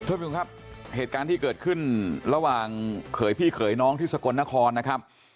คุณผู้ชมครับเหตุการณ์ที่เกิดขึ้นระหว่างเขยพี่เขยน้องที่สกลนครนะครับ